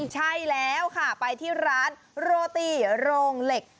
ใช่แล้วค่ะไปที่ร้านโรตี้โรงเหล็ก